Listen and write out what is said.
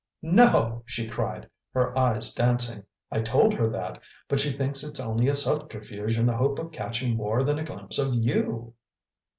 "No!" she cried, her eyes dancing; "I told her that, but she thinks it's only a subterfuge in the hope of catching more than a glimpse of you!"